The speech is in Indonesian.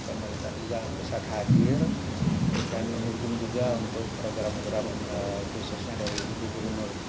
kita juga harus hadir dan menghubung juga untuk program program khususnya dari jawa timur